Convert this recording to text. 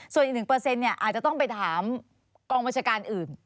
ส่วนอีก๑อาจจะต้องไปถามกองบัญชาการอื่น